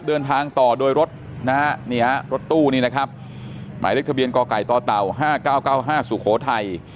เดินทางต่อโดยรถนะเนี๊ยะรถตู้นี่นะครับหมายเลขทะเบียนก่อก่ายต่อเต่าห้าเก้าเก้าห้าสุโขทัย